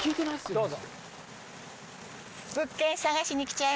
どうぞ。